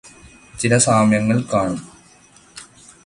ചില സാമ്യങ്ങൾ കാണും.